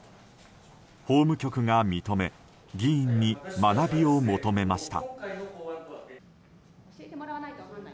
法務局が認め議員に学びを求めました。